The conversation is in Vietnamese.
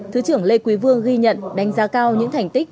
thứ trưởng lê quý vương ghi nhận đánh giá cao những thành tích